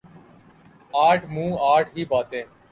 آٹھ منہ آٹھ ہی باتیں ۔